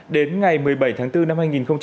đến ngày một mươi bảy tháng bốn năm hai nghìn hai mươi